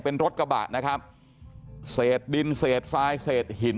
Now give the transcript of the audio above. เป็นรถกระบะนะครับเศษดินเศษทรายเศษหิน